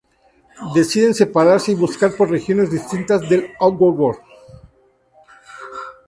Deciden separarse y buscar por regiones distintas del Outworld.